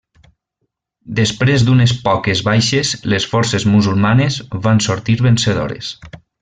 Després d'unes poques baixes, les forces musulmanes van sortir vencedores.